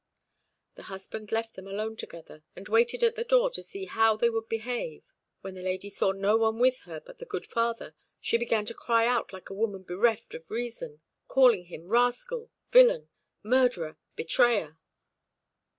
The husband left them alone together, and waited at the door to see how they would behave. When the lady saw no one with her but the good father, she began to cry out like a woman bereft of reason, calling him rascal, villain, murderer, betrayer.